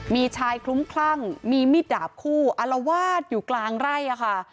มีชายคลุ้มคลั่งมีมิดดาบคู่อารวาสอยู่กลางไร่ค่ะ